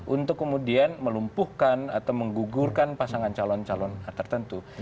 untuk kemudian melumpuhkan atau menggugurkan pasangan calon calon tertentu